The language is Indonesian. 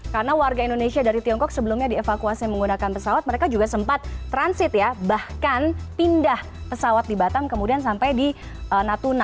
karena warga indonesia dari tiongkok sebelumnya dievakuasi menggunakan pesawat mereka juga sempat transit ya bahkan pindah pesawat di batam kemudian sampai di natuna